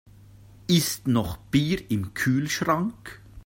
Ist noch Bier im Kühlschrank?